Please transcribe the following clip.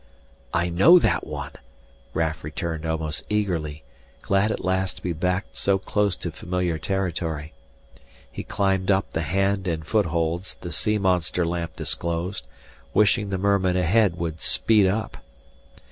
"I know that one," Raf returned almost eagerly, glad at last to be back so close to familiar territory. He climbed up the hand and footholds the sea monster lamp disclosed, wishing the mermen ahead would speed up.